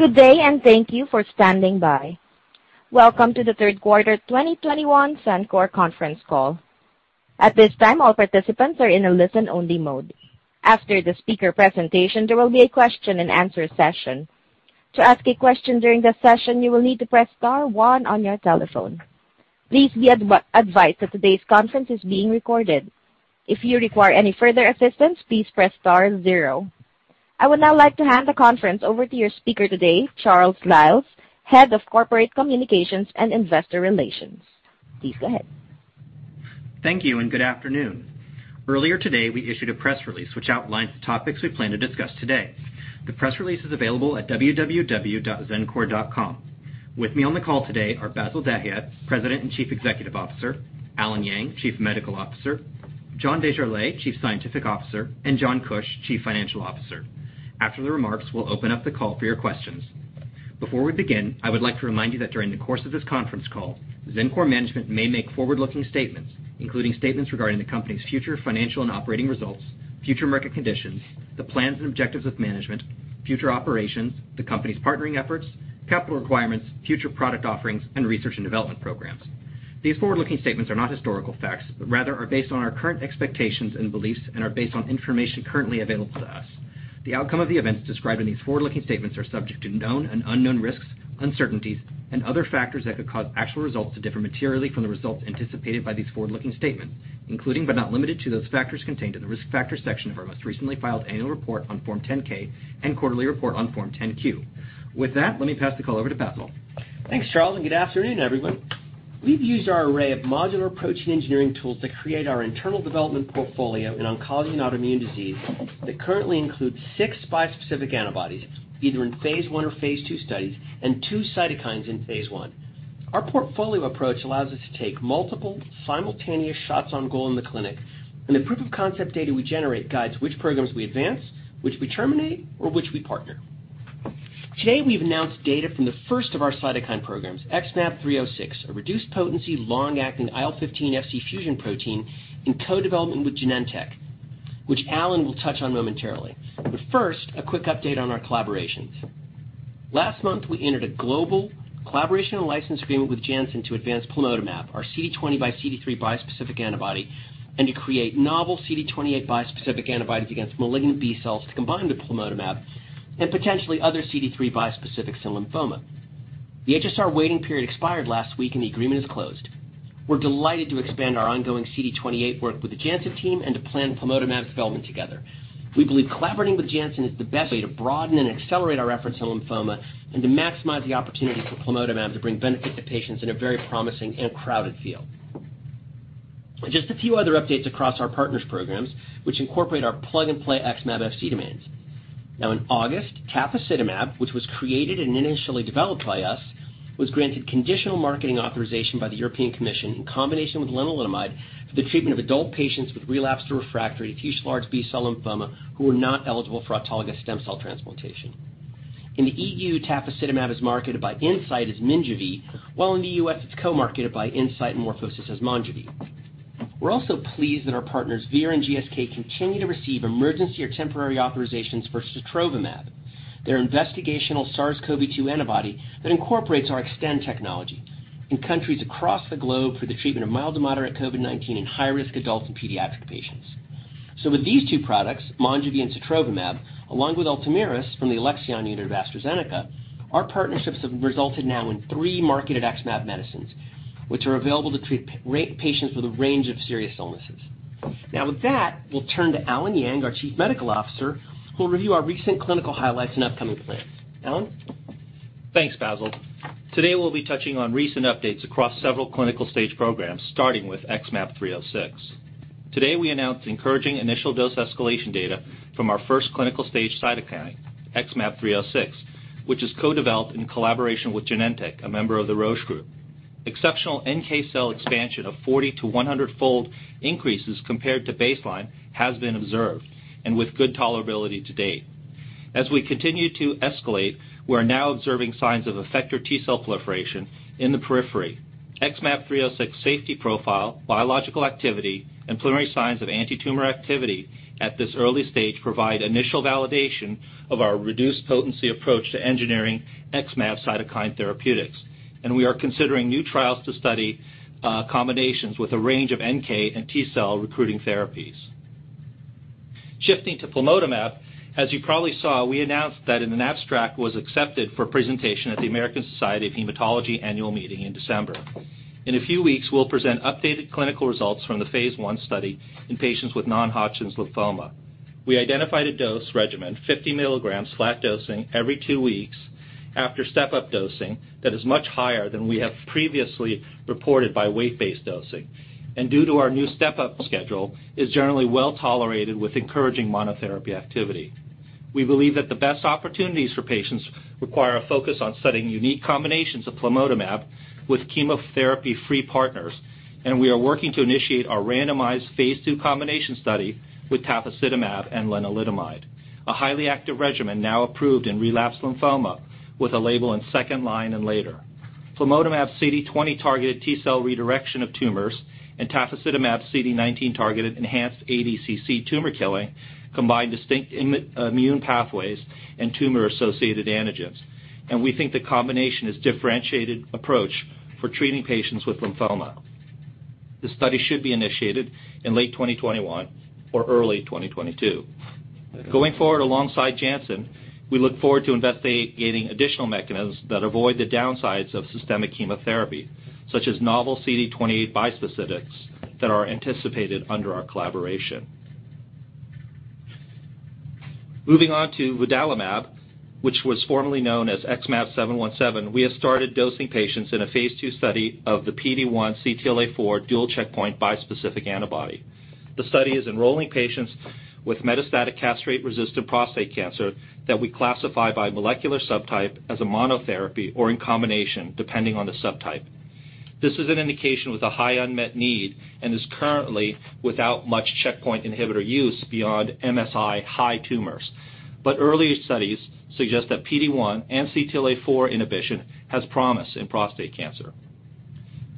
Good day, and thank you for standing by. Welcome to the third quarter 2021 Xencor conference call. At this time, all participants are in a listen-only mode. After the speaker presentation, there will be a question and answer session. To ask a question during the session, you will need to press star one on your telephone. Please be advised that today's conference is being recorded. If you require any further assistance, please press star zero. I would now like to hand the conference over to your speaker today, Charles Liles, Head of Corporate Communications and Investor Relations. Please go ahead. Thank you and good afternoon. Earlier today, we issued a press release which outlines the topics we plan to discuss today. The press release is available at www.xencor.com. With me on the call today are Bassil Dahiyat, President and Chief Executive Officer, Allen Yang, Chief Medical Officer, John Desjarlais, Chief Scientific Officer, and John Kuch, Chief Financial Officer. After the remarks, we'll open up the call for your questions. Before we begin, I would like to remind you that during the course of this conference call, Xencor management may make forward-looking statements, including statements regarding the company's future financial and operating results, future market conditions, the plans and objectives of management, future operations, the company's partnering efforts, capital requirements, future product offerings, and research and development programs. These forward-looking statements are not historical facts, but rather are based on our current expectations and beliefs and are based on information currently available to us. The outcome of the events described in these forward-looking statements are subject to known and unknown risks, uncertainties, and other factors that could cause actual results to differ materially from the results anticipated by these forward-looking statements, including but not limited to those factors contained in the risk factor section of our most recently filed annual report on Form 10-K and quarterly report on Form 10-Q. With that, let me pass the call over to Bassil. Thanks, Charles, and good afternoon, everyone. We've used our array of modular protein engineering tools to create our internal development portfolio in oncology and autoimmune disease that currently includes six bispecific antibodies, either in phase I or phase II studies, and two cytokines in phase I. Our portfolio approach allows us to take multiple simultaneous shots on goal in the clinic, and the proof of concept data we generate guides which programs we advance, which we terminate, or which we partner. Today, we've announced data from the first of our cytokine programs, XmAb306, a reduced potency, long-acting IL-15 Fc fusion protein in co-development with Genentech, which Allen will touch on momentarily. First, a quick update on our collaborations. Last month, we entered a global collaboration and license agreement with Janssen to advance plamotamab, our CD20 x CD3 bispecific antibody, and to create novel CD28 bispecific antibodies against malignant B cells to combine the plamotamab and potentially other CD3 bispecifics in lymphoma. The HSR waiting period expired last week, and the agreement is closed. We're delighted to expand our ongoing CD28 work with the Janssen team and to plan plamotamab development together. We believe collaborating with Janssen is the best way to broaden and accelerate our efforts in lymphoma and to maximize the opportunity for plamotamab to bring benefit to patients in a very promising and crowded field. Just a few other updates across our partners' programs, which incorporate our plug-and-play XmAb Fc domains. Now in August, tafasitamab, which was created and initially developed by us, was granted conditional marketing authorization by the European Commission in combination with lenalidomide for the treatment of adult patients with relapsed or refractory diffuse large B-cell lymphoma who are not eligible for autologous stem cell transplantation. In the E.U., tafasitamab is marketed by Incyte as Minjuvi, while in the U.S., it's co-marketed by Incyte and MorphoSys as Monjuvi. We're also pleased that our partners Vir Biotechnology and GSK continue to receive emergency or temporary authorizations for sotrovimab, their investigational SARS-CoV-2 antibody that incorporates our Xtend technology in countries across the globe for the treatment of mild to moderate COVID-19 in high-risk adult and pediatric patients. With these two products, Monjuvi and sotrovimab, along with Ultomiris from the Alexion unit of AstraZeneca, our partnerships have resulted now in three marketed XmAb medicines, which are available to treat rare patients with a range of serious illnesses. Now, with that, we'll turn to Allen Yang, our Chief Medical Officer, who will review our recent clinical highlights and upcoming plans. Allen. Thanks, Bassil. Today, we'll be touching on recent updates across several clinical stage programs, starting with XmAb306. Today, we announced encouraging initial dose escalation data from our first clinical stage cytokine, XmAb306, which is co-developed in collaboration with Genentech, a member of the Roche Group. Exceptional NK cell expansion of 40-100 fold increases compared to baseline has been observed and with good tolerability to date. As we continue to escalate, we're now observing signs of effector T cell proliferation in the periphery. XmAb306 safety profile, biological activity, and preliminary signs of antitumor activity at this early stage provide initial validation of our reduced potency approach to engineering XmAb cytokine therapeutics, and we are considering new trials to study combinations with a range of NK and T cell recruiting therapies. Shifting to plamotamab, as you probably saw, we announced that an abstract was accepted for presentation at the American Society of Hematology annual meeting in December. In a few weeks, we'll present updated clinical results from the phase I study in patients with non-Hodgkin lymphoma. We identified a dose regimen, 50 mg flat dosing every two weeks after step-up dosing, that is much higher than we have previously reported by weight-based dosing. Due to our new step-up schedule, it is generally well-tolerated with encouraging monotherapy activity. We believe that the best opportunities for patients require a focus on studying unique combinations of plamotamab with chemotherapy-free partners, and we are working to initiate our randomized phase II combination study with tafasitamab and lenalidomide, a highly active regimen now approved in relapse lymphoma with a label in second line and later. Plamotamab CD20 targeted T cell redirection of tumors and tafasitamab CD19 targeted enhanced ADCC tumor killing combine distinct immune pathways and tumor-associated antigens. We think the combination is differentiated approach for treating patients with lymphoma. The study should be initiated in late 2021 or early 2022. Going forward alongside Janssen, we look forward to investigating additional mechanisms that avoid the downsides of systemic chemotherapy, such as novel CD28 bispecifics that are anticipated under our collaboration. Moving on to vudalimab, which was formerly known as XmAb717, we have started dosing patients in a phase II study of the PD-1 CTLA-4 dual checkpoint bispecific antibody. The study is enrolling patients with metastatic castrate-resistant prostate cancer that we classify by molecular subtype as a monotherapy or in combination, depending on the subtype. This is an indication with a high unmet need and is currently without much checkpoint inhibitor use beyond MSI-H tumors. Earlier studies suggest that PD-1 and CTLA-4 inhibition has promise in prostate cancer.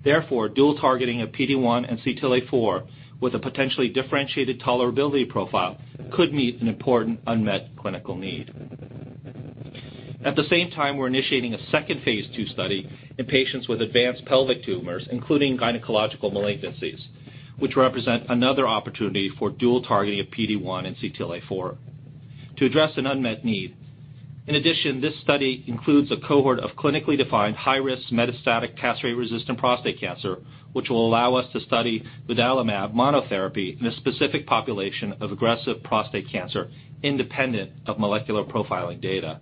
Therefore, dual targeting of PD-1 and CTLA-4 with a potentially differentiated tolerability profile could meet an important unmet clinical need. At the same time, we're initiating a second phase II study in patients with advanced pelvic tumors, including gynecological malignancies, which represent another opportunity for dual targeting of PD-1 and CTLA-4 to address an unmet need. In addition, this study includes a cohort of clinically defined high-risk metastatic castrate-resistant prostate cancer, which will allow us to study vudalimab monotherapy in a specific population of aggressive prostate cancer independent of molecular profiling data.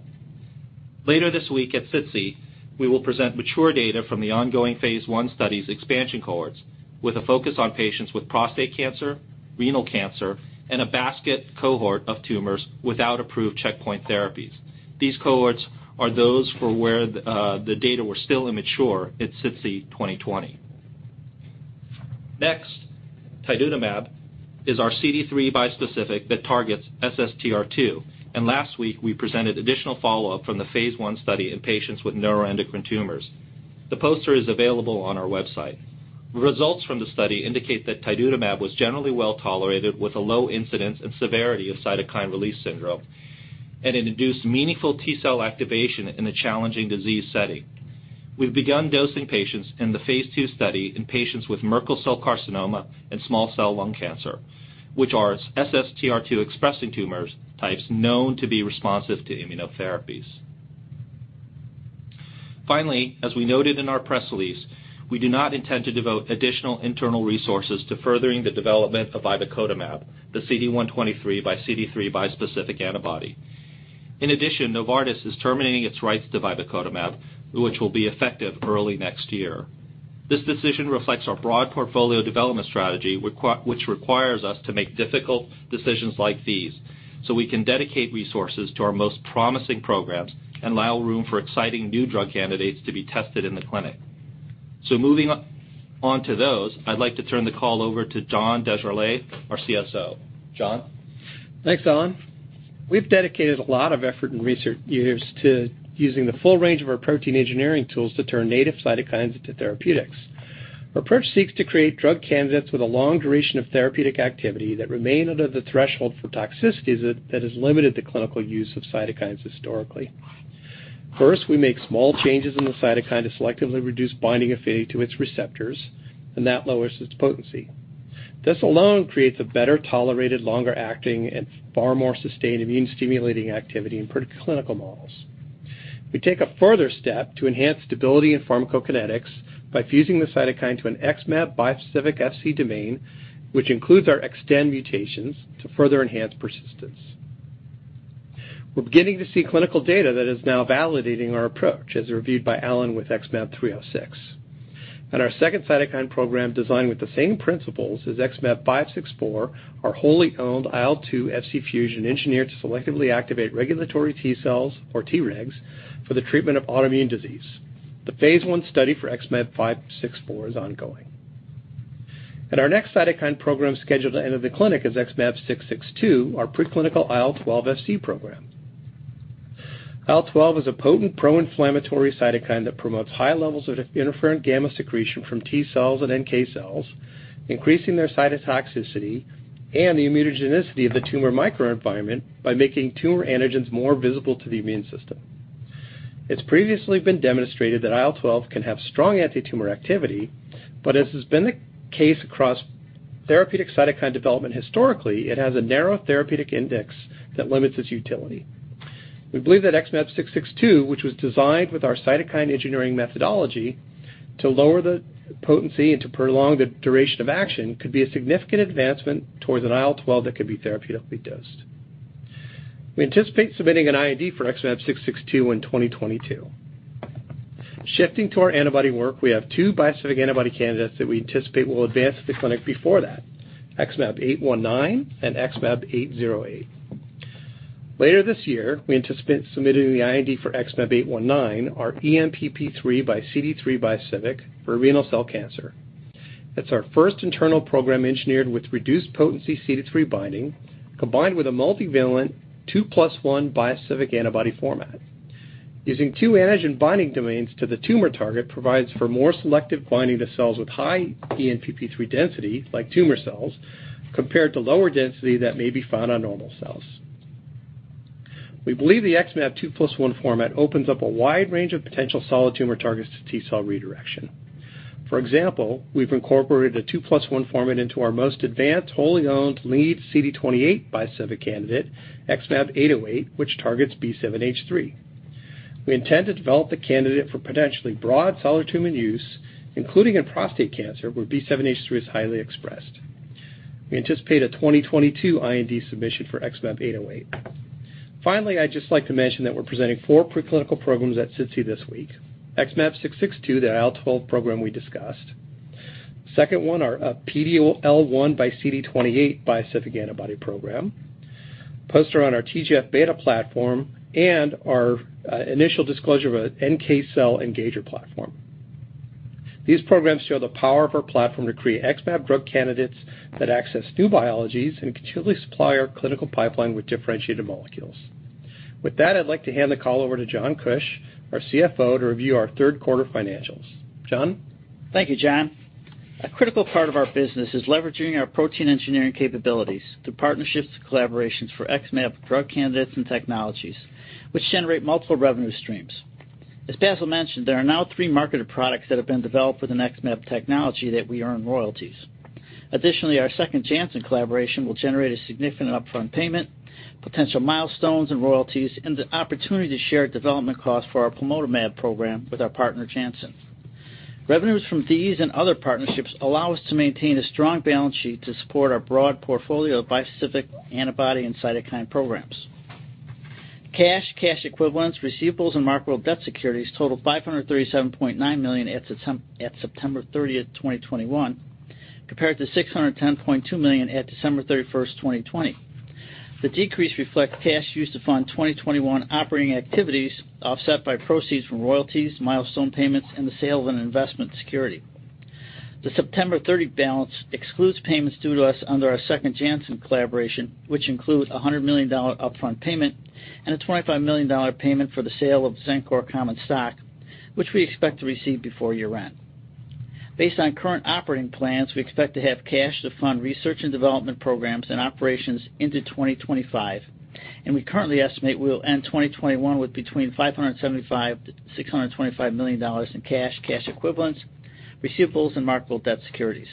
Later this week at SITC, we will present mature data from the ongoing phase I study's expansion cohorts with a focus on patients with prostate cancer, renal cancer, and a basket cohort of tumors without approved checkpoint therapies. These cohorts are those for where, the data were still immature at SITC 2020. Next, tidutamab is our CD3 bispecific that targets SSTR2, and last week we presented additional follow-up from the phase I study in patients with neuroendocrine tumors. The poster is available on our website. Results from the study indicate that tidutamab was generally well-tolerated with a low incidence and severity of cytokine release syndrome, and it induced meaningful T-cell activation in a challenging disease setting. We've begun dosing patients in the phase II study in patients with Merkel cell carcinoma and small cell lung cancer, which are SSTR2-expressing tumor types known to be responsive to immunotherapies. Finally, as we noted in our press release, we do not intend to devote additional internal resources to furthering the development of vibecotamab, the CD123 x CD3 bispecific antibody. In addition, Novartis is terminating its rights to vibecotamab, which will be effective early next year. This decision reflects our broad portfolio development strategy which requires us to make difficult decisions like these so we can dedicate resources to our most promising programs and allow room for exciting new drug candidates to be tested in the clinic. Moving on to those, I'd like to turn the call over to John Desjarlais, our CSO. John? Thanks, Allen. We've dedicated a lot of effort in research years to using the full range of our protein engineering tools to turn native cytokines into therapeutics. Our approach seeks to create drug candidates with a long duration of therapeutic activity that remain under the threshold for toxicities that has limited the clinical use of cytokines historically. First, we make small changes in the cytokine to selectively reduce binding affinity to its receptors, and that lowers its potency. This alone creates a better tolerated, longer acting, and far more sustained immune-stimulating activity in preclinical models. We take a further step to enhance stability and pharmacokinetics by fusing the cytokine to an XmAb bispecific Fc domain, which includes our Xtend mutations to further enhance persistence. We're beginning to see clinical data that is now validating our approach, as reviewed by Allen with XmAb306. Our second cytokine program designed with the same principles is XmAb564, our wholly owned IL-2 Fc fusion engineered to selectively activate regulatory T cells or Tregs for the treatment of autoimmune disease. The phase I study for XmAb564 is ongoing. Our next cytokine program scheduled to enter the clinic is XmAb662, our preclinical IL-12 Fc program. IL-12 is a potent pro-inflammatory cytokine that promotes high levels of interferon gamma secretion from T cells and NK cells, increasing their cytotoxicity and the immunogenicity of the tumor microenvironment by making tumor antigens more visible to the immune system. It's previously been demonstrated that IL-12 can have strong antitumor activity, but as has been the case across therapeutic cytokine development historically, it has a narrow therapeutic index that limits its utility. We believe that XmAb662, which was designed with our cytokine engineering methodology to lower the potency and to prolong the duration of action, could be a significant advancement towards an IL-12 that could be therapeutically dosed. We anticipate submitting an IND for XmAb662 in 2022. Shifting to our antibody work, we have two bispecific antibody candidates that we anticipate will advance to the clinic before that, XmAb819 and XmAb808. Later this year, we anticipate submitting the IND for XmAb819, our ENPP3 x CD3 bispecific for renal cell cancer. That's our first internal program engineered with reduced potency CD3 binding, combined with a multivalent 2+1 bispecific antibody format. Using two antigen binding domains to the tumor target provides for more selective binding to cells with high ENPP3 density, like tumor cells, compared to lower density that may be found on normal cells. We believe the XmAb two plus one format opens up a wide range of potential solid tumor targets to T-cell redirection. For example, we've incorporated a 2+1 format into our most advanced wholly-owned lead CD28 bispecific candidate, XmAb808, which targets B7-H3. We intend to develop the candidate for potentially broad solid tumor use, including in prostate cancer, where B7-H3 is highly expressed. We anticipate a 2022 IND submission for XmAb808. Finally, I'd just like to mention that we're presenting four preclinical programs at SITC this week. XmAb662, the IL-12 program we discussed. Second one, our PD-L1 x CD28 bispecific antibody program. Poster on our TGF-beta platform and our initial disclosure of an NK cell engager platform. These programs show the power of our platform to create XmAb drug candidates that access new biologies and continually supply our clinical pipeline with differentiated molecules. With that, I'd like to hand the call over to John Kuch, our CFO, to review our third quarter financials. John? Thank you, John. A critical part of our business is leveraging our protein engineering capabilities through partnerships and collaborations for XmAb drug candidates and technologies, which generate multiple revenue streams. As Bassil mentioned, there are now three marketed products that have been developed with an XmAb technology that we earn royalties. Additionally, our second Janssen collaboration will generate a significant upfront payment, potential milestones and royalties, and the opportunity to share development costs for our plamotamab program with our partner, Janssen. Revenues from these and other partnerships allow us to maintain a strong balance sheet to support our broad portfolio of bispecific antibody and cytokine programs. Cash, cash equivalents, receivables, and marketable debt securities totaled $537.9 million at September 30, 2021, compared to $610.2 million at December 31, 2020. The decrease reflects cash used to fund 2021 operating activities, offset by proceeds from royalties, milestone payments, and the sale of an investment security. The September 30 balance excludes payments due to us under our second Janssen collaboration, which include a $100 million upfront payment and a $25 million payment for the sale of Xencor common stock, which we expect to receive before year-end. Based on current operating plans, we expect to have cash to fund research and development programs and operations into 2025, and we currently estimate we will end 2021 with between $575 million-$625 million in cash equivalents, receivables, and marketable debt securities.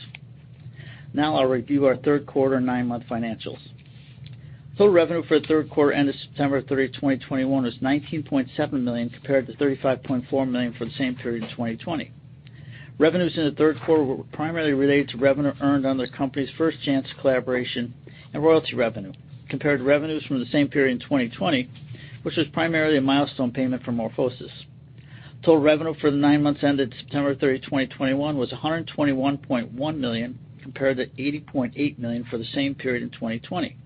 Now I'll review our third quarter nine-month financials. Total revenue for the third quarter ended September 30, 2021 was $19.7 million, compared to $35.4 million for the same period in 2020. Revenues in the third quarter were primarily related to revenue earned under the company's first Janssen collaboration and royalty revenue, compared to revenues from the same period in 2020, which was primarily a milestone payment from MorphoSys. Total revenue for the nine months ended September 30, 2021 was $121.1 million, compared to $80.8 million for the same period in 2020.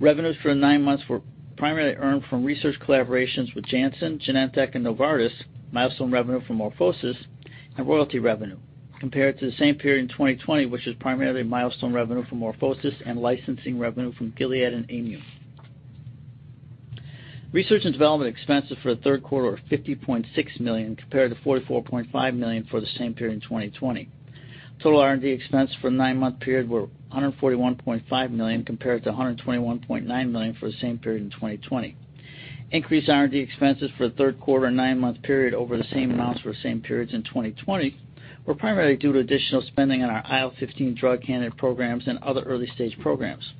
Revenues for the nine months were primarily earned from research collaborations with Janssen, Genentech, and Novartis, milestone revenue from MorphoSys, and royalty revenue, compared to the same period in 2020, which was primarily milestone revenue from MorphoSys and licensing revenue from Gilead and Amgen. Research and development expenses for the third quarter were $50.6 million, compared to $44.5 million for the same period in 2020. Total R&D expense for the nine-month period were $141.5 million, compared to $121.9 million for the same period in 2020. Increased R&D expenses for the third quarter nine-month period over the same amounts for the same periods in 2020 were primarily due to additional spending on our IL-15 drug candidate programs and other early-stage programs.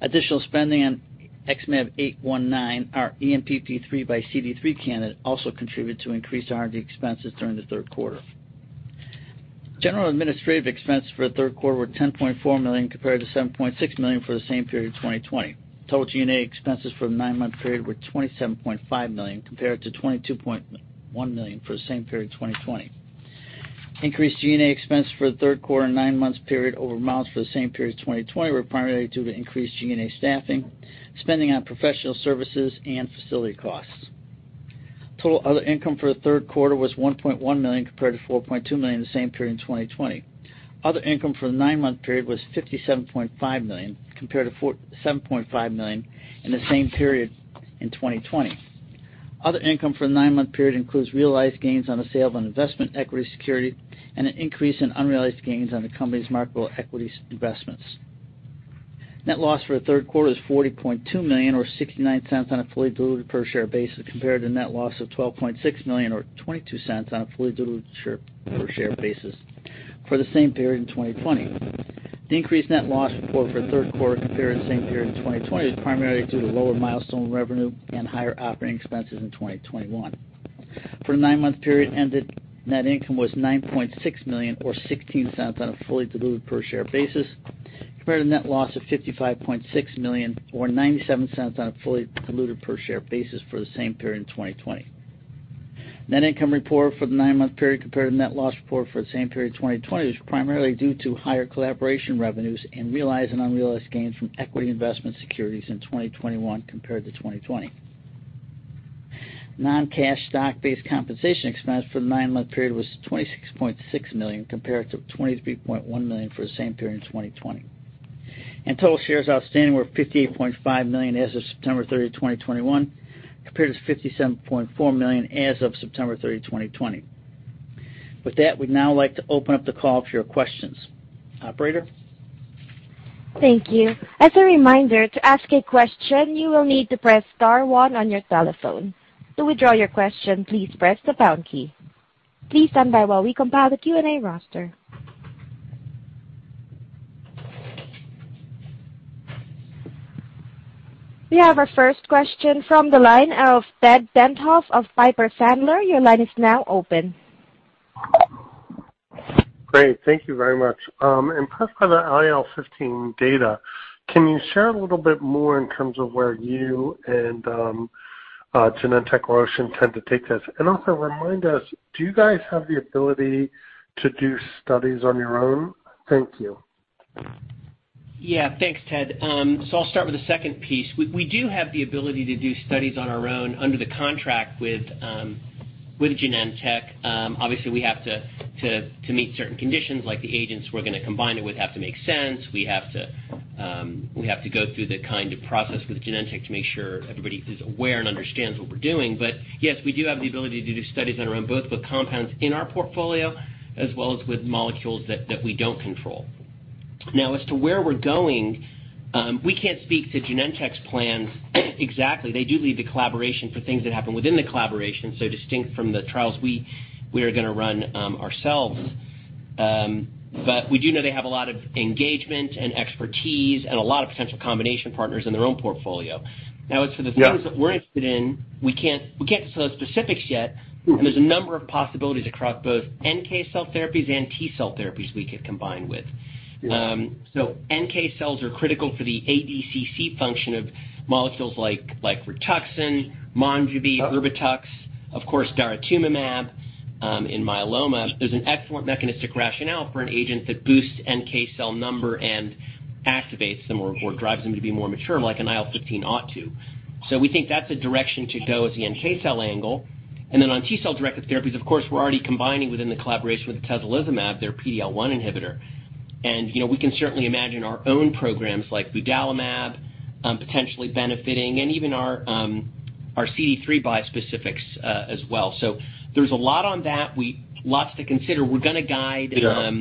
Additional spending on XmAb819, our ENPP3 x CD3 candidate, also contributed to increased R&D expenses during the third quarter. General administrative expenses for the third quarter were $10.4 million, compared to $7.6 million for the same period in 2020. Total G&A expenses for the nine-month period were $27.5 million, compared to $22.1 million for the same period in 2020. Increased G&A expenses for the third quarter nine-month period over amounts for the same period in 2020 were primarily due to increased G&A staffing, spending on professional services, and facility costs. Total other income for the third quarter was $1.1 million, compared to $4.2 million in the same period in 2020. Other income for the nine-month period was $57.5 million, compared to $7.5 million in the same period in 2020. Other income for the nine-month period includes realized gains on the sale of an investment equity security and an increase in unrealized gains on the company's marketable equities investments. Net loss for the third quarter was $40.2 million, or $0.69 on a fully diluted per share basis, compared to net loss of $12.6 million, or $0.22 on a fully diluted per share basis for the same period in 2020. The increased net loss reported for the third quarter compared to the same period in 2020 was primarily due to lower milestone revenue and higher operating expenses in 2021. For the nine-month period ended, net income was $9.6 million, or $0.16 on a fully diluted per share basis, compared to net loss of $55.6 million, or $0.97 on a fully diluted per share basis for the same period in 2020. Net income reported for the 9-month period compared to net loss reported for the same period in 2020 was primarily due to higher collaboration revenues and realized and unrealized gains from equity investment securities in 2021 compared to 2020. Non-cash stock-based compensation expense for the nine-month period was $26.6 million, compared to $23.1 million for the same period in 2020. Total shares outstanding were 58.5 million as of September 30, 2021, compared to 57.4 million as of September 30, 2020. With that, we'd now like to open up the call for your questions. Operator? Thank you. As a reminder, to ask a question, you will need to press star one on your telephone. To withdraw your question, please press the pound key. Please stand by while we compile the Q&A roster. We have our first question from the line of Ted Tenthoff of Piper Sandler. Your line is now open. Great. Thank you very much. Impressed by the IL-15 data. Can you share a little bit more in terms of where you and Genentech or Roche intend to take this? Also remind us, do you guys have the ability to do studies on your own? Thank you. Yeah, thanks, Ted. So I'll start with the second piece. We do have the ability to do studies on our own under the contract with Genentech. Obviously we have to meet certain conditions like the agents we're gonna combine it with have to make sense. We have to go through the kind of process with Genentech to make sure everybody is aware and understands what we're doing. Yes, we do have the ability to do studies on our own, both with compounds in our portfolio as well as with molecules that we don't control. Now, as to where we're going, we can't speak to Genentech's plans exactly. They do lead the collaboration for things that happen within the collaboration, so distinct from the trials we are gonna run ourselves. We do know they have a lot of engagement and expertise and a lot of potential combination partners in their own portfolio. Now, as for the things that we're interested in, we can't discuss specifics yet, and there's a number of possibilities across both NK cell therapies and T-cell therapies we could combine with. NK cells are critical for the ADCC function of molecules like Rituxan, MONJUVI, Erbitux, of course daratumumab, in myeloma. There's an excellent mechanistic rationale for an agent that boosts NK cell number and activates them or drives them to be more mature, like an IL-15 ought to. We think that's a direction to go is the NK cell angle. Then on T-cell-directed therapies, of course, we're already combining within the collaboration with atezolizumab, their PD-L1 inhibitor. You know, we can certainly imagine our own programs like vudalimab potentially benefiting and even our CD3 bispecifics as well. There's a lot on that, lots to consider. We're gonna guide- Yeah.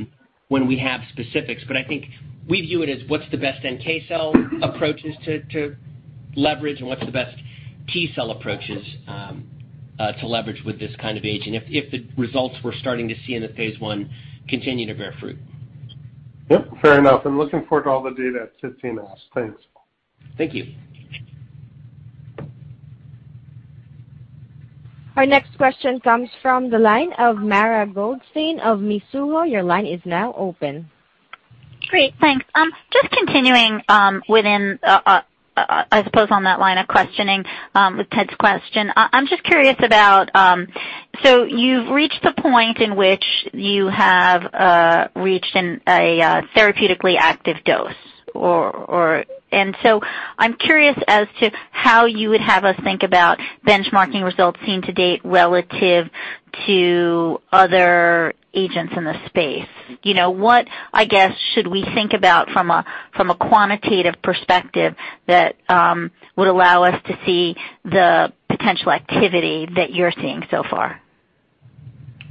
When we have specifics, but I think we view it as what's the best NK cell approaches to leverage and what's the best T-cell approaches to leverage with this kind of agent if the results we're starting to see in phase I continue to bear fruit. Yep, fair enough. I'm looking forward to all the data at 15 S. Thanks. Thank you. Our next question comes from the line of Mara Goldstein of Mizuho. Your line is now open. Great, thanks. Just continuing, within, I suppose on that line of questioning, with Ted's question, I'm just curious about, so you've reached the point in which you have reached a therapeutically active dose or. I'm curious as to how you would have us think about benchmarking results seen to date relative to other agents in the space. You know, what, I guess, should we think about from a quantitative perspective that would allow us to see the potential activity that you're seeing so far?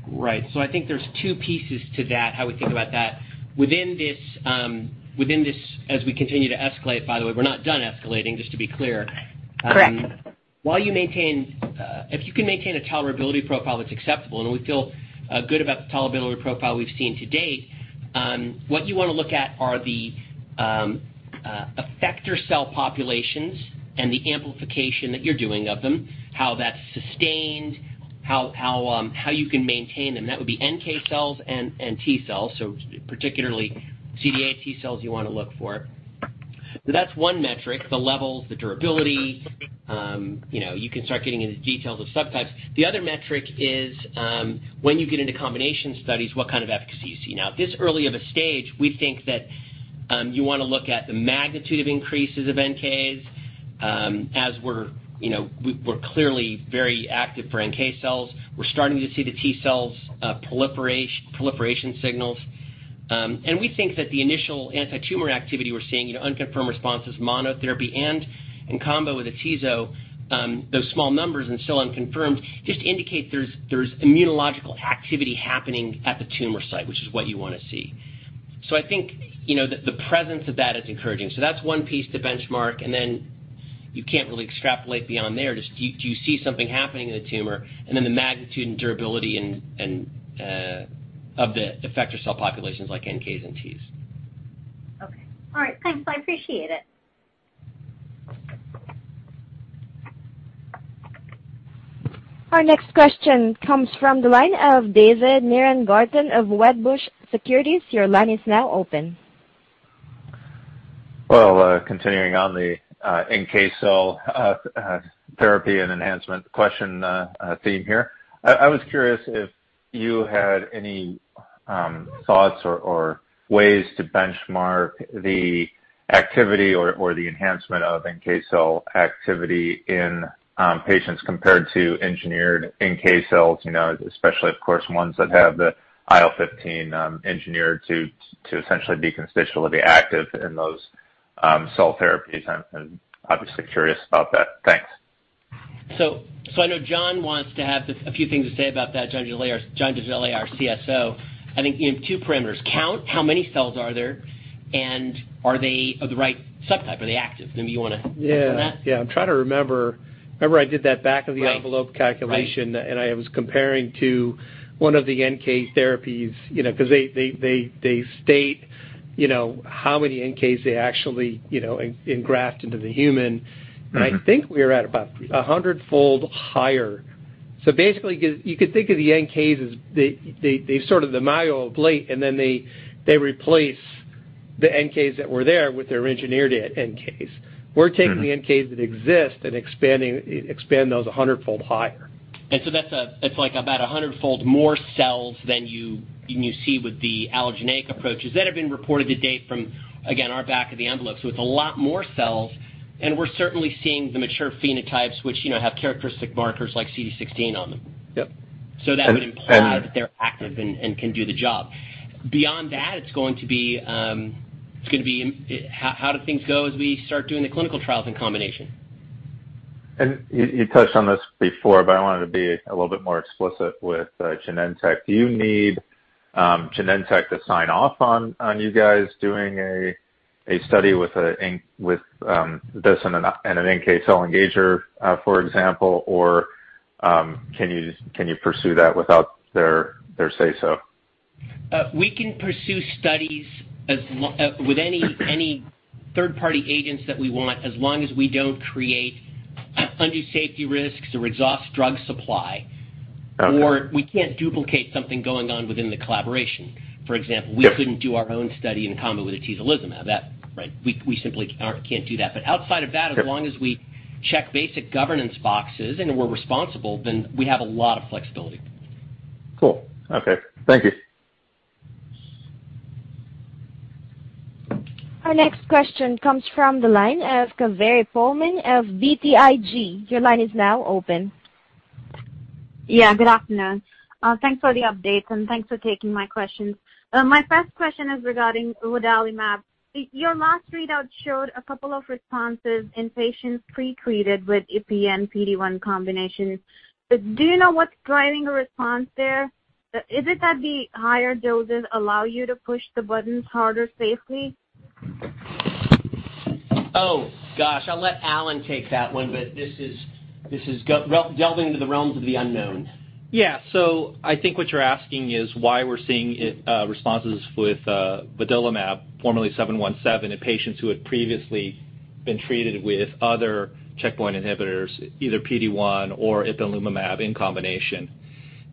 Right. I think there's two pieces to that, how we think about that. Within this, as we continue to escalate, by the way, we're not done escalating, just to be clear. Correct. While you maintain, if you can maintain a tolerability profile that's acceptable, and we feel good about the tolerability profile we've seen to date, what you wanna look at are the effector cell populations and the amplification that you're doing of them, how that's sustained, how you can maintain them. That would be NK cells and T cells, so particularly CD8 T cells you wanna look for. So that's one metric, the levels, the durability. You know, you can start getting into details of subtypes. The other metric is, when you get into combination studies, what kind of efficacy you see. Now, at this early of a stage, we think that you wanna look at the magnitude of increases of NK's. As we're, you know, we're clearly very active for NK cells. We're starting to see the T cells proliferation signals. We think that the initial antitumor activity we're seeing, you know, unconfirmed responses, monotherapy and in combo with atezo, those small numbers and still unconfirmed just indicate there's immunological activity happening at the tumor site, which is what you wanna see. I think, you know, the presence of that is encouraging. That's one piece to benchmark, and then you can't really extrapolate beyond there. Just, do you see something happening in the tumor? Then the magnitude and durability and of the effector cell populations like NKs and Ts. Okay. All right. Thanks, I appreciate it. Our next question comes from the line of David Nierengarten of Wedbush Securities. Your line is now open. Well, continuing on the NK cell therapy and enhancement question theme here. I was curious if you had any Thoughts or ways to benchmark the activity or the enhancement of NK cell activity in patients compared to engineered NK cells, you know, especially, of course, ones that have the IL-15 engineered to essentially be constitutively active in those cell therapies. I'm obviously curious about that. Thanks. I know John wants to have this, a few things to say about that. John Desjarlais, our CSO. I think you have two parameters. Count how many cells are there, and are they of the right subtype? Are they active? Maybe you wanna- Yeah. touch on that? Yeah. I'm trying to remember. Remember, I did that back- Right. back-of-the-envelope calculation. Right. I was comparing to one of the NK therapies, you know, 'cause they state, you know, how many NK they actually, you know, engraft into the human. Mm-hmm. I think we are at about a 100-fold higher. Basically you could think of the NKs as they sort of the myeloid of late, and then they replace the NKs that were there with their engineered NKs. Mm-hmm. We're taking the NK that exist and expanding those a hundredfold higher. It's like about a hundredfold more cells than you see with the allogeneic approaches that have been reported to date from, again, our back of the envelope. It's a lot more cells, and we're certainly seeing the mature phenotypes, which, you know, have characteristic markers like CD16 on them. Yep. That would imply. And, and- That they're active and can do the job. Beyond that, how do things go as we start doing the clinical trials in combination. You touched on this before, but I wanted to be a little bit more explicit with Genentech. Do you need Genentech to sign off on you guys doing a study with this and an NK cell engager, for example? Or, can you pursue that without their say-so? We can pursue studies with any third-party agents that we want, as long as we don't create undue safety risks or exhaust drug supply. Okay. We can't duplicate something going on within the collaboration. For example. Yeah. We couldn't do our own study in combo with atezolizumab. That. Right. We simply can't do that. But outside of that Sure. As long as we check basic governance boxes and we're responsible, then we have a lot of flexibility. Cool. Okay. Thank you. Our next question comes from the line of Kaveri Pohlman of BTIG. Your line is now open. Yeah, good afternoon. Thanks for the updates, and thanks for taking my questions. My first question is regarding vudalimab. Your last readout showed a couple of responses in patients pretreated with ipi and PD-1 combination. Do you know what's driving the response there? Is it that the higher doses allow you to push the buttons harder safely? Oh, gosh. I'll let Allen take that one. This is, well, delving into the realms of the unknown. I think what you're asking is why we're seeing responses with vudalimab, formerly XmAb717, in patients who had previously been treated with other checkpoint inhibitors, either PD-1 or ipilimumab in combination.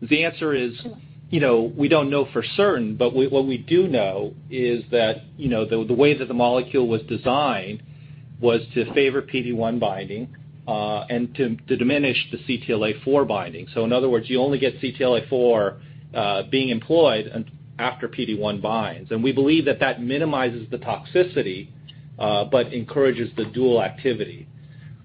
The answer is- Sure. You know, we don't know for certain, but what we do know is that, you know, the way that the molecule was designed was to favor PD-1 binding and to diminish the CTLA-4 binding. In other words, you only get CTLA-4 being employed only after PD-1 binds. We believe that that minimizes the toxicity but encourages the dual activity.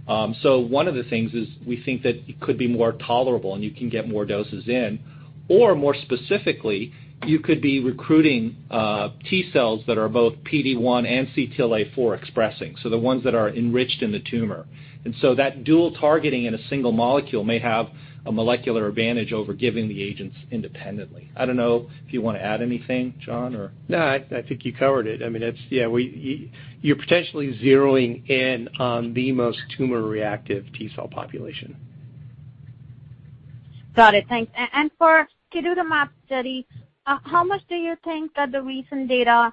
One of the things is we think that it could be more tolerable, and you can get more doses in. Or more specifically, you could be recruiting T cells that are both PD-1 and CTLA-4 expressing, so the ones that are enriched in the tumor. That dual targeting in a single molecule may have a molecular advantage over giving the agents independently. I don't know if you wanna add anything, John, or. No, I think you covered it. I mean, that's. Yeah, you're potentially zeroing in on the most tumor-reactive T cell population. Got it. Thanks. For tidutamab study, how much do you think that the recent data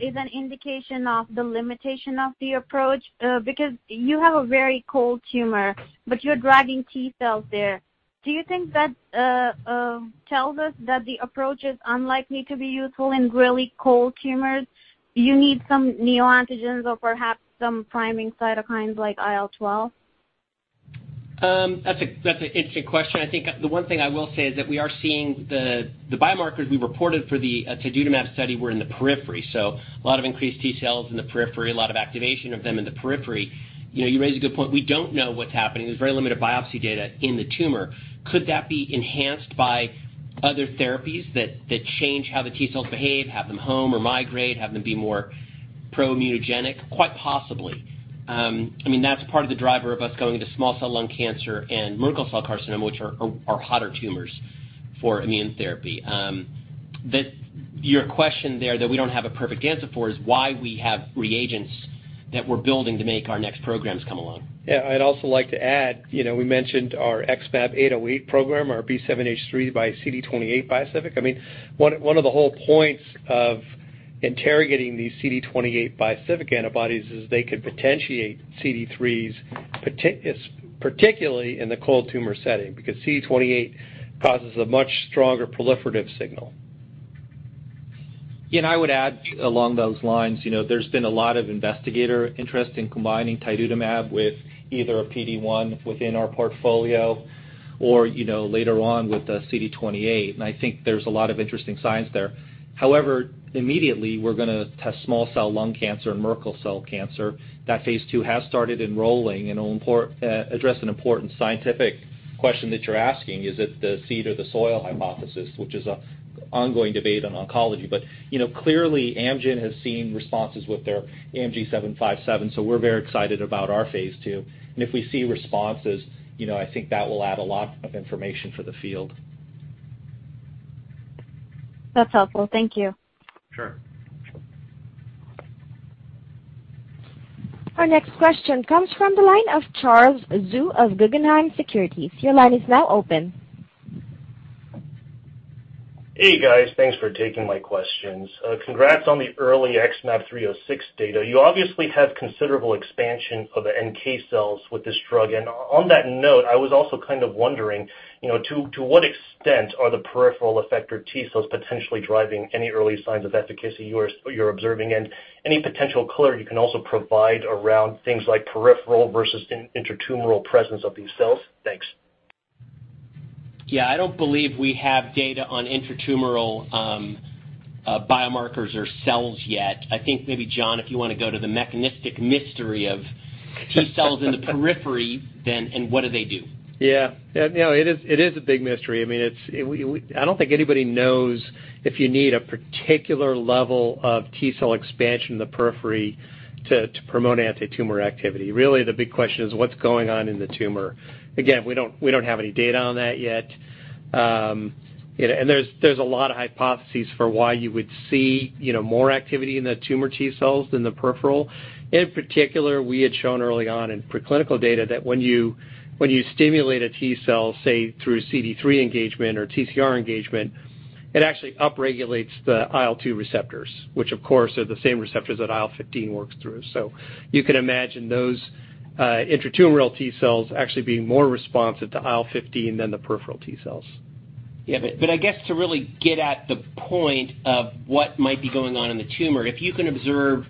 is an indication of the limitation of the approach? Because you have a very cold tumor, but you're driving T cells there. Do you think that tells us that the approach is unlikely to be useful in really cold tumors? Do you need some neoantigens or perhaps some priming cytokines like IL-12? That's an interesting question. I think the one thing I will say is that we are seeing the biomarkers we reported for the tidutamab study were in the periphery, so a lot of increased T cells in the periphery, a lot of activation of them in the periphery. You know, you raise a good point. We don't know what's happening. There's very limited biopsy data in the tumor. Could that be enhanced by other therapies that change how the T cells behave, have them home or migrate, have them be more pro-immunogenic? Quite possibly. I mean, that's part of the driver of us going into small cell lung cancer and Merkel cell carcinoma, which are hotter tumors for immunotherapy. Your question there that we don't have a perfect answer for is why we have reagents that we're building to make our next programs come along. Yeah. I'd also like to add, you know, we mentioned our XmAb808 program, our B7-H3 x CD28 bispecific. I mean, one of the whole points of interrogating these CD28 bispecific antibodies is they could potentiate CD3s, particularly in the cold tumor setting because CD28 causes a much stronger proliferative signal. Yeah, I would add along those lines, you know, there's been a lot of investigator interest in combining tidutamab with either a PD-1 within our portfolio or, you know, later on with the CD28, and I think there's a lot of interesting science there. However, immediately we're gonna test small cell lung cancer and Merkel cell carcinoma. That phase II has started enrolling, and it'll address an important scientific question that you're asking, is it the seed or the soil hypothesis, which is an ongoing debate on oncology. You know, clearly Amgen has seen responses with their AMG 757, so we're very excited about our phase II. If we see responses, you know, I think that will add a lot of information for the field. That's helpful. Thank you. Sure. Our next question comes from the line of Charles Zhu of Guggenheim Securities. Your line is now open. Hey, guys. Thanks for taking my questions. Congrats on the early XmAb 306 data. You obviously have considerable expansion of the NK cells with this drug. On that note, I was also kind of wondering, you know, to what extent are the peripheral effector T cells potentially driving any early signs of efficacy you're observing? Any potential color you can also provide around things like peripheral versus intratumoral presence of these cells? Thanks. Yeah. I don't believe we have data on intratumoral biomarkers or cells yet. I think maybe, John, if you wanna go to the mechanistic mystery of T cells in the periphery then and what do they do. Yeah. Yeah, you know, it is a big mystery. I mean, I don't think anybody knows if you need a particular level of T-cell expansion in the periphery to promote antitumor activity. Really the big question is what's going on in the tumor. Again, we don't have any data on that yet. You know, and there's a lot of hypotheses for why you would see, you know, more activity in the tumor T cells than the peripheral. In particular, we had shown early on in preclinical data that when you stimulate a T cell, say, through CD3 engagement or TCR engagement, it actually upregulates the IL-2 receptors, which of course are the same receptors that IL-15 works through. You can imagine those intratumoral T cells actually being more responsive to IL-15 than the peripheral T cells. Yeah. But I guess to really get at the point of what might be going on in the tumor, if you can observe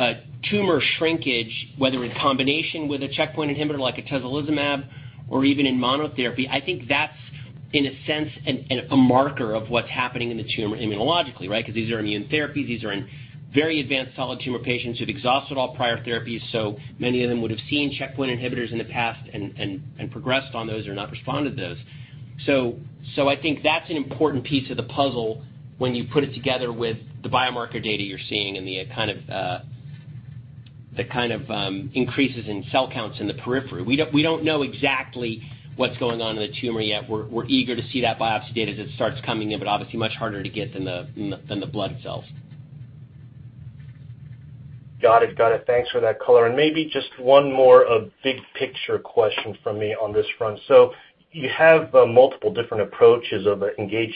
a tumor shrinkage, whether in combination with a checkpoint inhibitor like atezolizumab or even in monotherapy, I think that's, in a sense, a marker of what's happening in the tumor immunologically, right? Because these are immune therapies, these are in very advanced solid tumor patients who've exhausted all prior therapies, so many of them would have seen checkpoint inhibitors in the past and progressed on those or not responded to those. So I think that's an important piece of the puzzle when you put it together with the biomarker data you're seeing and the kind of increases in cell counts in the periphery. We don't know exactly what's going on in the tumor yet. We're eager to see that biopsy data as it starts coming in, but obviously much harder to get than the blood cells. Got it. Thanks for that color. Maybe just one more big picture question from me on this front. You have multiple different approaches of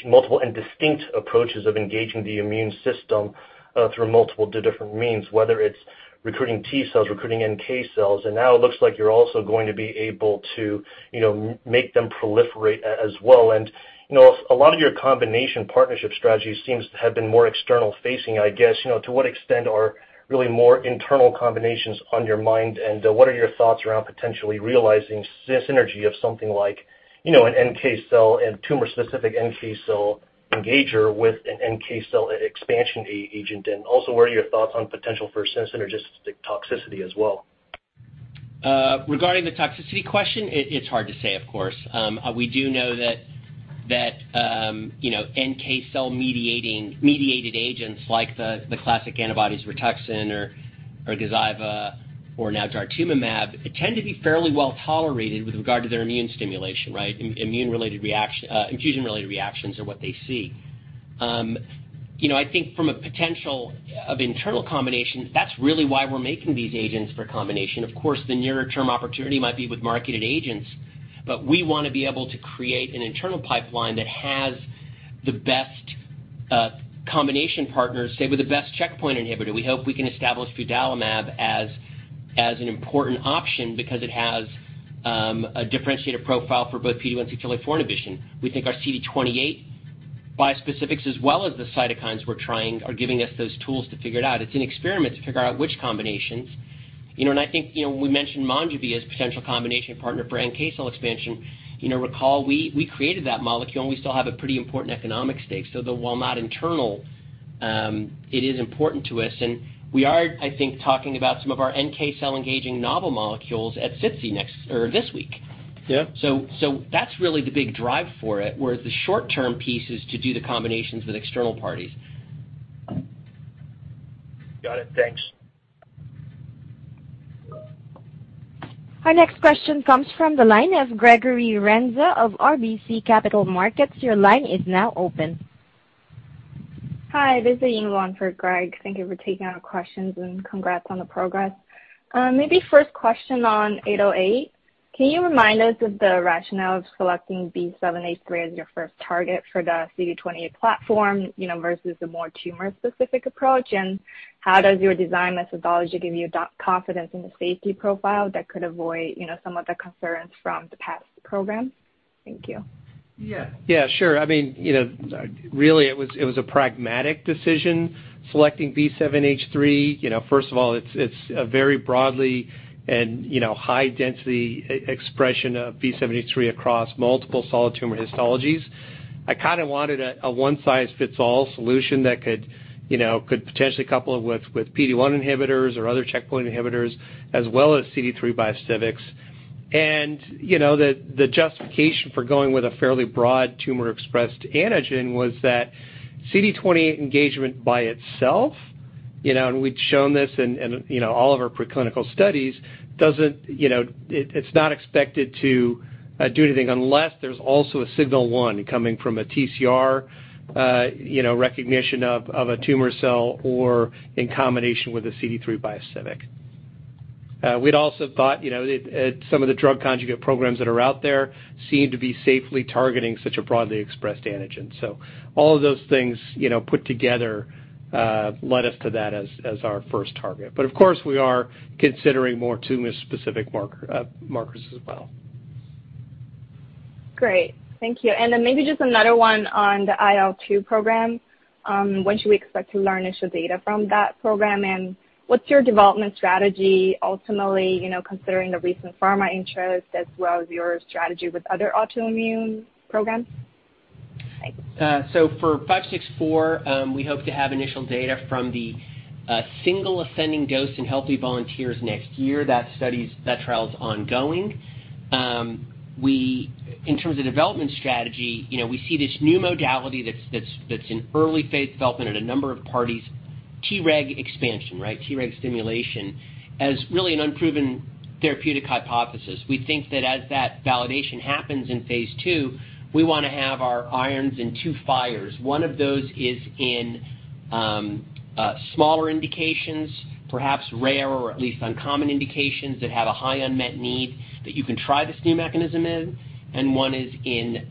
multiple and distinct approaches of engaging the immune system through multiple different means, whether it's recruiting T cells, recruiting NK cells, and now it looks like you're also going to be able to, you know, make them proliferate as well. You know, a lot of your combination partnership strategies seems to have been more external facing, I guess. You know, to what extent are really more internal combinations on your mind, and what are your thoughts around potentially realizing synergy of something like, you know, an NK cell and tumor-specific NK cell engager with an NK cell expansion agent? And also, what are your thoughts on potential for synergistic toxicity as well? Regarding the toxicity question, it's hard to say, of course. We do know that NK cell mediated agents like the classic antibodies Rituxan or Gazyva or now daratumumab tend to be fairly well tolerated with regard to their immune stimulation, right? Infusion related reactions are what they see. I think from a potential of internal combination, that's really why we're making these agents for combination. Of course, the nearer term opportunity might be with marketed agents, but we wanna be able to create an internal pipeline that has the best combination partners, say, with the best checkpoint inhibitor. We hope we can establish vudalimab as an important option because it has a differentiated profile for both PD-1 and CTLA-4 inhibition. We think our CD28 bispecifics as well as the cytokines we're trying are giving us those tools to figure it out. It's an experiment to figure out which combinations. You know, I think, you know, when we mentioned MONJUVI as potential combination partner for NK cell expansion, you know, recall we created that molecule, and we still have a pretty important economic stake. Though while not internal, it is important to us. We are, I think, talking about some of our NK cell engaging novel molecules at SITC next or this week. Yeah. That's really the big drive for it, whereas the short-term piece is to do the combinations with external parties. Got it. Thanks. Our next question comes from the line of Gregory Renza of RBC Capital Markets. Your line is now open. Hi, this is Xinyue Lu for Greg. Thank you for taking our questions, and congrats on the progress. Maybe first question on 808. Can you remind us of the rationale of selecting B7-H3 as your first target for the CD28 platform, you know, versus a more tumor-specific approach? And how does your design methodology give you confidence in the safety profile that could avoid, you know, some of the concerns from the past program? Thank you. Yeah. Yeah, sure. I mean, you know, really, it was a pragmatic decision, selecting B7-H3. You know, first of all, it's a very broadly and, you know, high density expression of B7-H3 across multiple solid tumor histologies. I kinda wanted a one-size-fits-all solution that could, you know, potentially couple with PD-1 inhibitors or other checkpoint inhibitors as well as CD3 bispecifics. You know, the justification for going with a fairly broad tumor-expressed antigen was that CD28 engagement by itself, you know, and we'd shown this in all of our preclinical studies, doesn't. It's not expected to do anything unless there's also a signal 1 coming from a TCR recognition of a tumor cell or in combination with a CD3 bispecific. We'd also thought, you know, some of the drug conjugate programs that are out there seem to be safely targeting such a broadly expressed antigen. All of those things, you know, put together led us to that as our first target. But of course, we are considering more tumor-specific markers as well. Great. Thank you. Maybe just another one on the IL-2 program. When should we expect to learn initial data from that program, and what's your development strategy ultimately, you know, considering the recent pharma interest as well as your strategy with other autoimmune programs? Thanks. For XmAb564, we hope to have initial data from the single ascending dose in healthy volunteers next year. That trial's ongoing. In terms of development strategy, you know, we see this new modality that's in early phase development at a number of parties, T-reg expansion, right? T-reg stimulation as really an unproven therapeutic hypothesis. We think that as that validation happens in phase II, we wanna have our irons in two fires. One of those is in smaller indications, perhaps rare or at least uncommon indications that have a high unmet need that you can try this new mechanism in, and one is in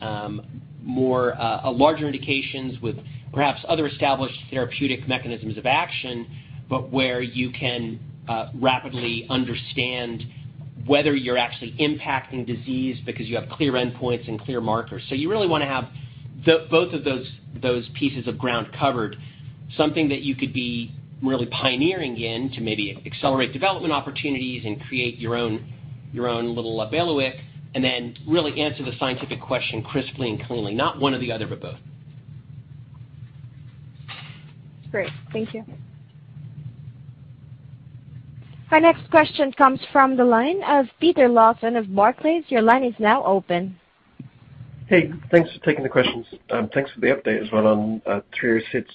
more larger indications with perhaps other established therapeutic mechanisms of action, but where you can rapidly understand whether you're actually impacting disease because you have clear endpoints and clear markers. You really wanna have both of those pieces of ground covered, something that you could be really pioneering in to maybe accelerate development opportunities and create your own little bailiwick, and then really answer the scientific question crisply and cleanly, not one or the other, but both. Great. Thank you. Our next question comes from the line of Peter Lawson of Barclays. Your line is now open. Hey, thanks for taking the questions. Thanks for the update as well on 306.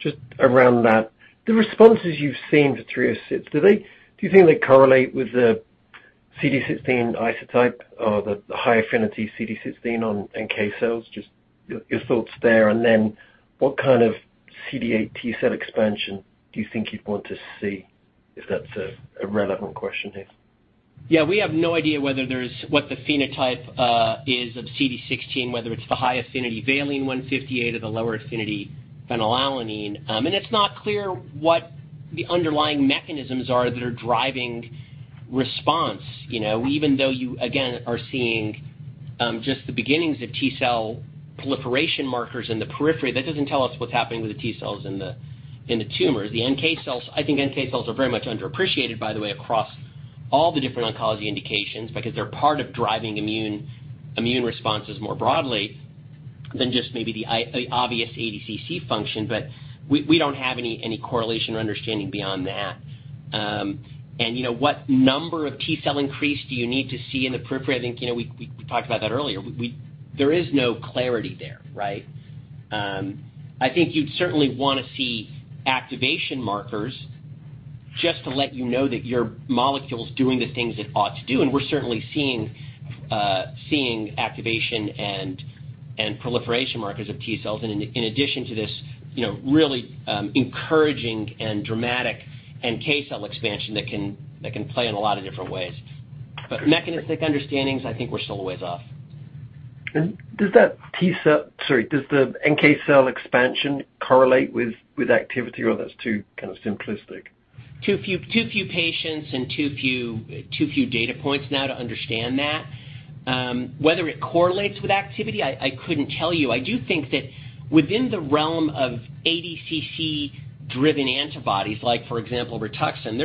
Just around that, the responses you've seen to 306, do they correlate with the CD16 isotype or the high affinity CD16 on NK cells? Just your thoughts there. What kind of CD8 T-cell expansion do you think you'd want to see, if that's a relevant question here? Yeah, we have no idea whether there's what the phenotype is of CD16, whether it's the high affinity valine 158 or the lower affinity phenylalanine 158. It's not clear what the underlying mechanisms are that are driving response. You know, even though you again are seeing just the beginnings of T-cell proliferation markers in the periphery, that doesn't tell us what's happening with the T cells in the tumors. The NK cells, I think, are very much underappreciated, by the way, across all the different oncology indications because they're part of driving immune responses more broadly than just maybe the obvious ADCC function. We don't have any correlation or understanding beyond that. You know, what number of T-cell increase do you need to see in the periphery? I think, you know, we talked about that earlier. There is no clarity there, right? I think you'd certainly wanna see activation markers just to let you know that your molecule's doing the things it ought to do. We're certainly seeing activation and proliferation markers of T cells and in addition to this, you know, really encouraging and dramatic NK cell expansion that can play in a lot of different ways. Mechanistic understandings, I think we're still a ways off. Does the NK cell expansion correlate with activity, or that's too kinda simplistic? Too few patients and too few data points now to understand that. Whether it correlates with activity, I couldn't tell you. I do think that within the realm of ADCC-driven antibodies, like for example Rituxan,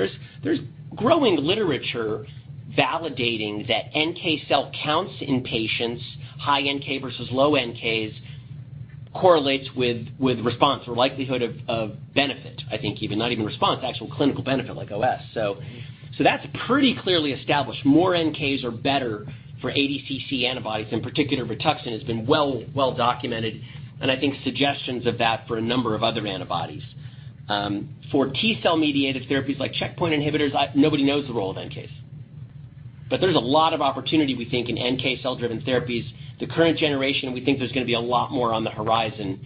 there's growing literature validating that NK cell counts in patients, high NK versus low NKs, correlates with response or likelihood of benefit. I think even, not even response, actual clinical benefit like OS. That's pretty clearly established. More NKs are better for ADCC antibodies. In particular Rituxan has been well documented, and I think suggestions of that for a number of other antibodies. For T-cell-mediated therapies like checkpoint inhibitors, nobody knows the role of NKs. There's a lot of opportunity we think in NK cell-driven therapies. The current generation, we think there's gonna be a lot more on the horizon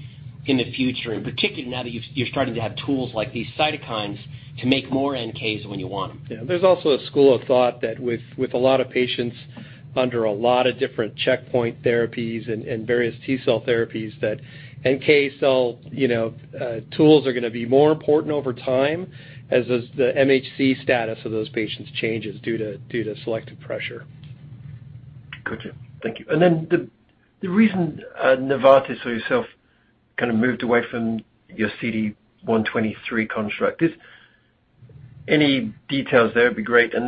in the future, and particularly now that you're starting to have tools like these cytokines to make more NK's when you want them. Yeah. There's also a school of thought that with a lot of patients under a lot of different checkpoint therapies and various T-cell therapies that NK cell, you know, tools are gonna be more important over time as the MHC status of those patients changes due to selective pressure. Gotcha. Thank you. The reason Novartis or yourself kind of moved away from your CD123 construct is. Any details there would be great. Is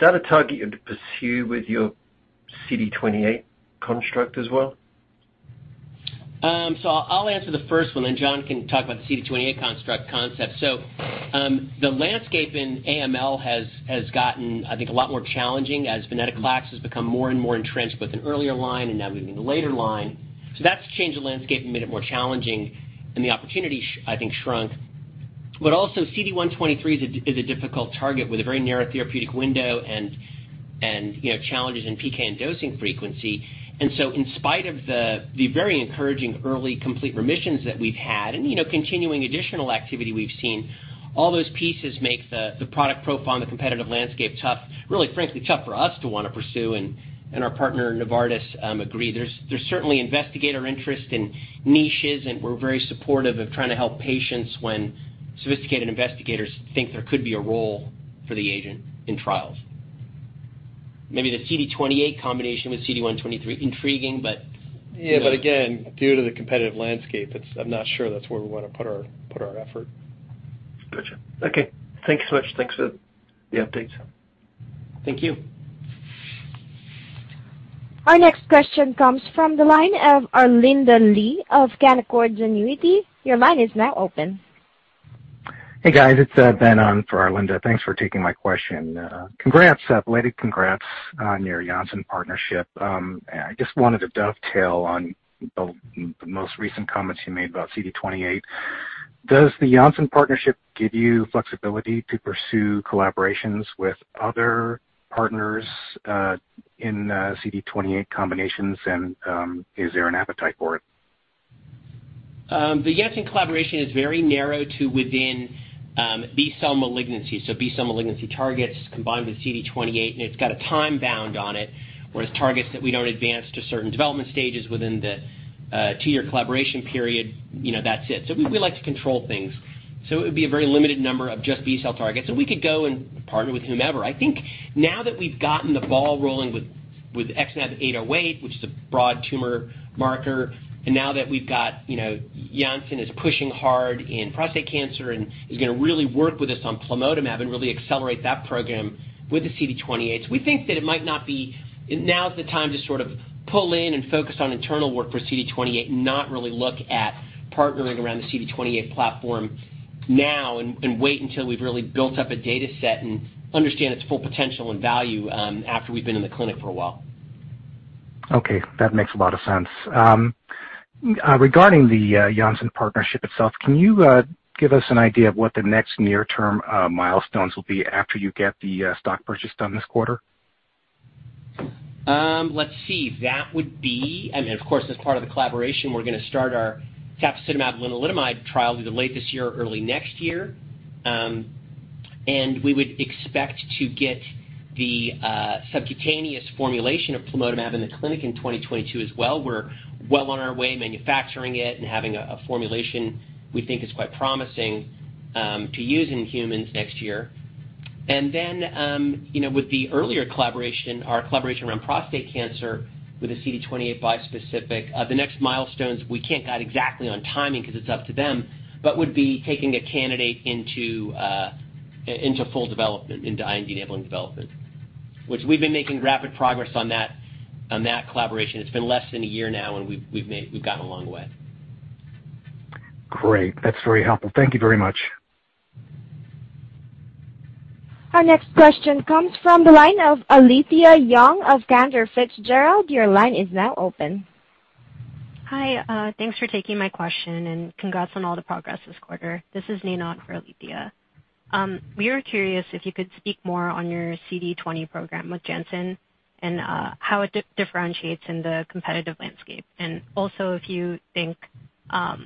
that a target you'd pursue with your CD28 construct as well? I'll answer the first one, then John can talk about the CD28 construct concept. The landscape in AML has gotten, I think, a lot more challenging as venetoclax has become more and more entrenched with an earlier line and now moving to later line. That's changed the landscape and made it more challenging and the opportunity, I think, shrunk. But also CD123 is a difficult target with a very narrow therapeutic window and, you know, challenges in PK and dosing frequency. In spite of the very encouraging early complete remissions that we've had and, you know, continuing additional activity we've seen, all those pieces make the product profile and the competitive landscape tough. Really, frankly, tough for us to wanna pursue and our partner, Novartis, agree. There's certainly investigator interest in niches, and we're very supportive of trying to help patients when sophisticated investigators think there could be a role for the agent in trials. Maybe the CD28 combination with CD123 intriguing but. Yeah, again, due to the competitive landscape, I'm not sure that's where we wanna put our effort. Gotcha. Okay. Thank you so much. Thanks for the updates. Thank you. Our next question comes from the line of Arlinda Lee of Canaccord Genuity. Your line is now open. Hey, guys, it's Ben on for Arlinda. Thanks for taking my question. Congrats, belated congrats on your Janssen partnership. I just wanted to dovetail on the most recent comments you made about CD28. Does the Janssen partnership give you flexibility to pursue collaborations with other partners in CD28 combinations? Is there an appetite for it? The Janssen collaboration is very narrow to within B-cell malignancies. B-cell malignancy targets combined with CD28, and it's got a time bound on it, whereas targets that we don't advance to certain development stages within the two-year collaboration period, you know, that's it. We like to control things. It would be a very limited number of just B-cell targets, and we could go and partner with whomever. I think now that we've gotten the ball rolling with XmAb808, which is a broad tumor marker, and now that we've got, you know, Janssen is pushing hard in prostate cancer and is gonna really work with us on plamotamab and really accelerate that program with the CD28s, we think that it might not be. Now's the time to sort of pull in and focus on internal work for CD28 and not really look at partnering around the CD28 platform now and wait until we've really built up a data set and understand its full potential and value, after we've been in the clinic for a while. Okay. That makes a lot of sense. Regarding the Janssen partnership itself, can you give us an idea of what the next near-term milestones will be after you get the stock purchase done this quarter? Let's see. I mean, of course, as part of the collaboration, we're gonna start our tafasitamab lenalidomide trial either late this year or early next year. We would expect to get the subcutaneous formulation of plamotamab in the clinic in 2022 as well. We're well on our way manufacturing it and having a formulation we think is quite promising to use in humans next year. You know, with the earlier collaboration, our collaboration around prostate cancer with the CD28 bispecific, the next milestones, we can't guide exactly on timing 'cause it's up to them, but would be taking a candidate into full development, into IND-enabling development. We've been making rapid progress on that collaboration. It's been less than a year now, and we've made. We've gotten a long way. Great. That's very helpful. Thank you very much. Our next question comes from the line of Alethia Young of Cantor Fitzgerald. Your line is now open. Hi. Thanks for taking my question, and congrats on all the progress this quarter. This is Nina for Alethia. We are curious if you could speak more on your CD20 program with Janssen and how it differentiates in the competitive landscape. If you think, at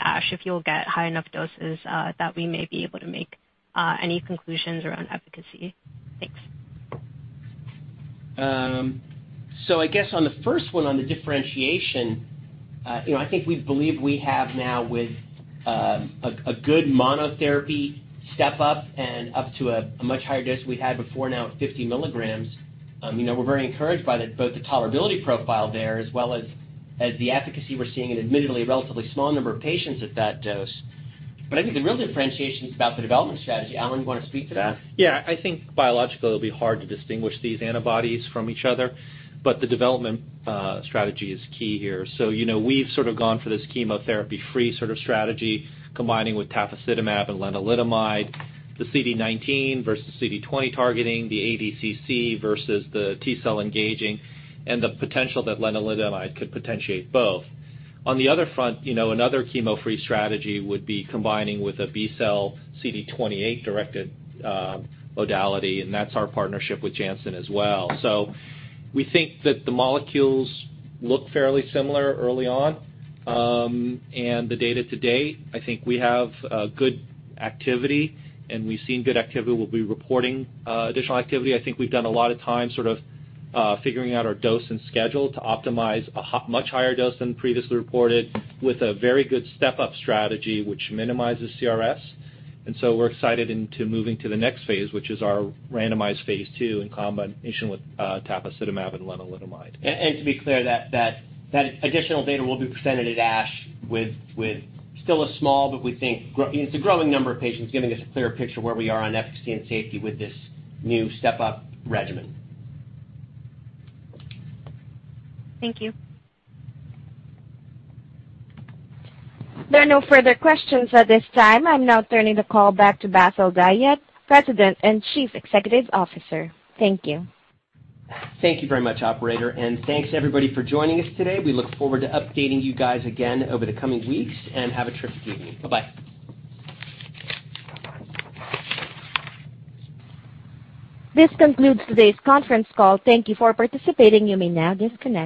ASH, if you'll get high enough doses that we may be able to make any conclusions around efficacy. Thanks. I guess on the first one, on the differentiation, you know, I think we believe we have now with a good monotherapy step up to a much higher dose we had before now at 50 mg. You know, we're very encouraged by both the tolerability profile there as well as the efficacy we're seeing in admittedly a relatively small number of patients at that dose. I think the real differentiation is about the development strategy. Allen, you wanna speak to that? Yeah. I think biologically it'll be hard to distinguish these antibodies from each other, but the development strategy is key here. You know, we've sort of gone for this chemotherapy-free sort of strategy, combining with tafasitamab and lenalidomide, the CD19 versus CD20 targeting, the ADCC versus the T-cell engaging, and the potential that lenalidomide could potentiate both. On the other front, you know, another chemo-free strategy would be combining with a B-cell CD28-directed modality, and that's our partnership with Janssen as well. We think that the molecules look fairly similar early on. And the data to date, I think we have good activity, and we've seen good activity. We'll be reporting additional activity. I think we've done a lot of time sort of figuring out our dose and schedule to optimize much higher dose than previously reported with a very good step-up strategy, which minimizes CRS. We're excited about moving to the next phase, which is our randomized phase II in combination with tafasitamab and lenalidomide. To be clear, that additional data will be presented at ASH with still a small, but we think it's a growing number of patients, giving us a clearer picture of where we are on efficacy and safety with this new step-up regimen. Thank you. There are no further questions at this time. I'm now turning the call back to Bassil Dahiyat, President and Chief Executive Officer. Thank you. Thank you very much, operator, and thanks everybody for joining us today. We look forward to updating you guys again over the coming weeks, and have a terrific evening. Bye-bye. This concludes today's conference call. Thank you for participating. You may now disconnect.